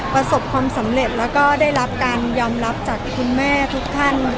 ประสบความสำเร็จแล้วก็ได้รับการยอมรับจากคุณแม่ทุกท่าน